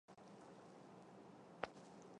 贺州市钟山县简介